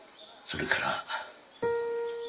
それから？